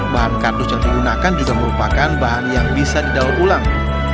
bahan kardus yang digunakan juga merupakan bahan yang bisa didaur ulang